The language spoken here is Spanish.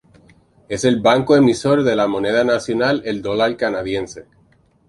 Es el banco emisor de la moneda nacional, el dólar canadiense.